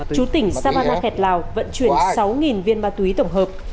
chú tỉnh sabana khẹt lào vận chuyển sáu viên ma túy tổng hợp